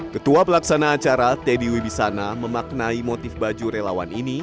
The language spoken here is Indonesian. ketua pelaksana acara teddy wibisana memaknai motif baju relawan ini